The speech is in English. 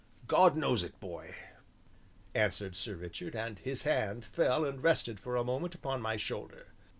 "God knows it, boy," answered Sir Richard, and his hand fell and rested for a moment upon my shoulder.